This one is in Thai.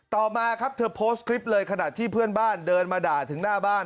ต่อมาครับเธอโพสต์คลิปเลยขณะที่เพื่อนบ้านเดินมาด่าถึงหน้าบ้าน